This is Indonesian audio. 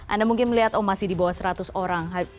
anda mungkin melihat oh masih di bawah seratus orang